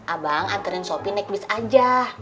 abang anterin shopee naik bis aja